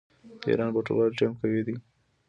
د ایران فوټبال ټیم قوي دی.